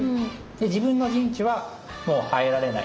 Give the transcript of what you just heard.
自分の陣地はもう入られないなと。